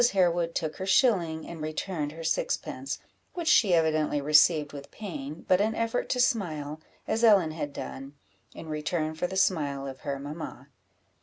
Harewood took her shilling, and returned her sixpence, which she evidently received with pain, but an effort to smile, as Ellen had done, in return for the smile of her mamma.